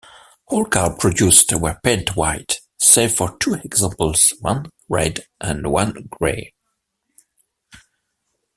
All cars produced were painted white, save for two examples-one red and one grey.